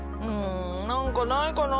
何かないかな。